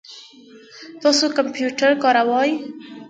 تاسو کمپیوټر کاروئ؟